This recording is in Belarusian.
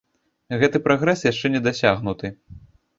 Гэты прагрэс яшчэ не дасягнуты.